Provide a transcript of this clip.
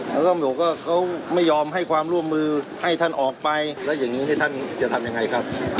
แล้วตำรวจก็เขาไม่ยอมให้ความร่วมมือให้ท่านออกไปแล้วอย่างนี้ท่านจะทำยังไงครับ